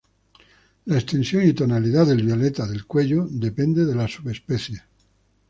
La extensión y tonalidad del violeta del cuello depende de las subespecies.